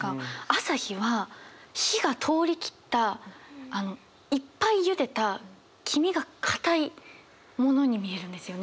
朝日は火が通り切ったあのいっぱいゆでた黄身がかたいものに見えるんですよね。